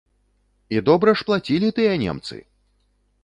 І добра ж плацілі тыя немцы!